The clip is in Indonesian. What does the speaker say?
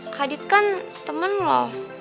ke adit kan temen lo